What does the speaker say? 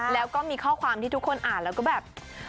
แล้วก็มีข้อความที่ทุกคนอ่านแล้วก็แบบ